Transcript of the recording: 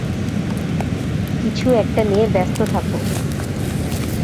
কিছু একটা নিয়ে ব্যস্ত থাক।